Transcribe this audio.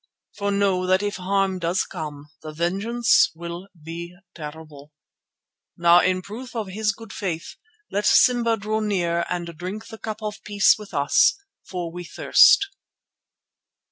For know that if harm does come, the vengeance will be terrible. Now in proof of his good faith, let Simba draw near and drink the cup of peace with us, for we thirst."